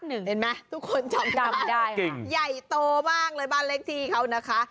เห็นไหมทุกคนจำได้ใหญ่โตมากเลยบ้านเลขที่เขานะคะ